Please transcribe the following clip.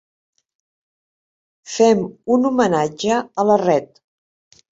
Fem un homenatge a la ret.